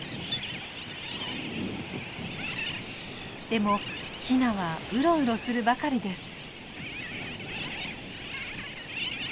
でもヒナはうろうろするばかりです。